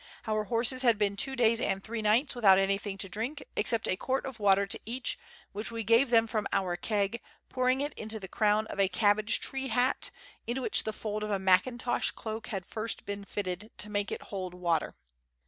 Our horses had been two days and three nights without anything to drink, except a quart of water to each, which we gave them from our keg, pouring it into the crown of a cabbage tree hat, into which the fold of a mackintosh cloak had been first fitted, to make it hold water.